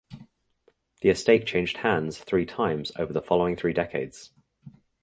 The estate changed hands three times over the following three decades.